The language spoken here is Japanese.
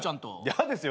嫌ですよ。